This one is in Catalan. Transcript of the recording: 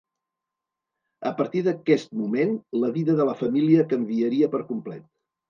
A partir d'aquest moment la vida de la família canviaria per complet.